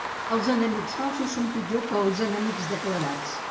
Els amics falsos són pitjors que els enemics declarats.